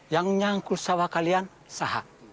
yang menyangkut sawah kalian sahak